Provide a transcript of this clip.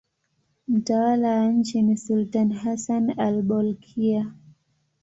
Mtawala wa nchi ni sultani Hassan al-Bolkiah.